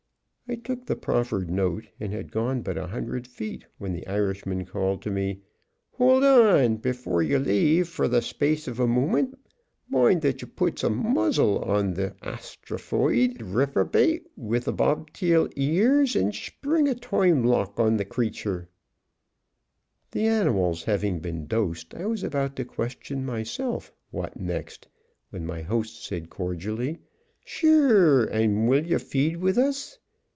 I took the proffered note, and had gone but a hundred feet when the Irishman called to me, "Hold on; before yez lave fer th' sphace of a mooment moind thet ye puts a muzzle on th' asrophoid rephrobate with th' bobtail ears, ond shpring a toime lock on th' crethur." The animals having been dosed, I was about to question myself "What next?" when my host said cordially, "Shure, ond yez will feed with us.